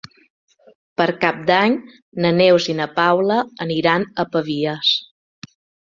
Per Cap d'Any na Neus i na Paula aniran a Pavies.